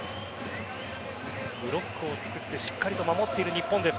ブロックを作ってしっかりと守っている日本です。